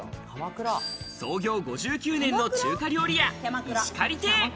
創業５９年の中華料理屋、石狩亭。